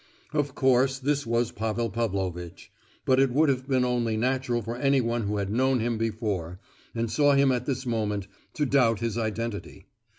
Of course this was Pavel Pavlovitch; but it would have been only natural for any one who had known him before, and saw him at this moment, to doubt his identity.